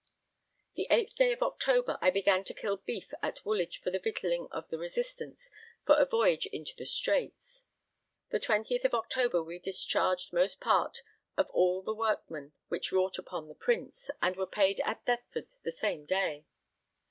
The 8th day of October I began to kill beef at Woolwich for the victualling of the Resistance, for a voyage into the Straits. The 20th of October were discharged most part of all the workmen which wrought upon the Prince, and were paid at Deptford [the] same day.